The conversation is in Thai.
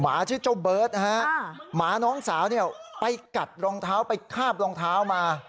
หมาชื่อเจ้าเบิร์ตนะฮะหมาน้องสาวเนี่ยไปกัดรองเท้าไปคาบรองเท้ามา